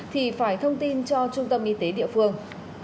thì phải thông tin cho trung tâm y tế địa phương